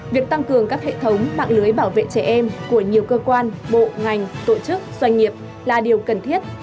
việc tăng cường các hệ thống mạng lưới bảo vệ trẻ em của nhiều cơ quan bộ ngành tổ chức doanh nghiệp là điều cần thiết